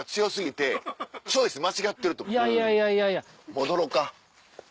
戻ろうか。